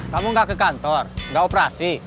kamu gak ke kantor gak operasi